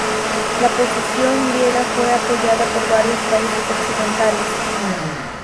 La posición griega fue apoyada por varios países occidentales.